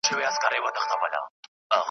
پر مېړه یو کال خواري وي، پر سپي سړي همېشه .